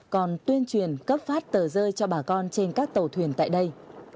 còn tuyên truyền cấp phát tờ rơi cho bà con trên các tàu thuyền tại đây